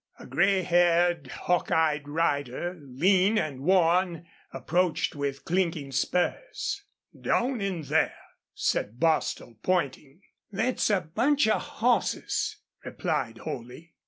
A gray haired, hawk eyed rider, lean and worn, approached with clinking spurs. "Down in there," said Bostil, pointing. "Thet's a bunch of hosses," replied Holley.